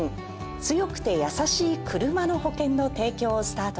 「強くてやさしいクルマの保険」の提供をスタートしました